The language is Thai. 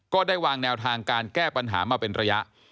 ก็ได้วางแนวทางการแก้ปัญหามาเป็นระยะ